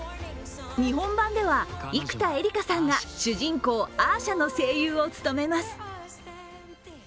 日本版では生田絵梨花さんが主人公・アーシャの声優を務めます。